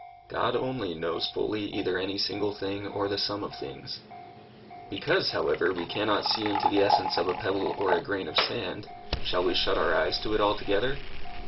God only knows fully either any single thing or the sum of things. Because, however, we cannot see into the essence of a pebble or a grain of sand, shall we shut our eyes to it altogether?